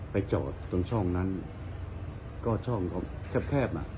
จอดตรงช่องนั้นก็ช่องก็แคบอ่ะ